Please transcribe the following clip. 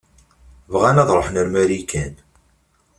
Bɣan ad ṛuḥen ar Marikan.